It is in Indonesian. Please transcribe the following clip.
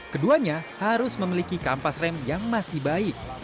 keduanya harus memiliki kampas rem yang masih baik